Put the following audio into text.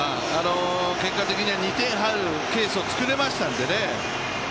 結果的には２点入るケースをつくれましたんでね。